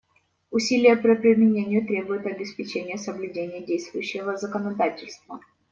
Усилия по примирению требуют обеспечения соблюдения действующего законодательства.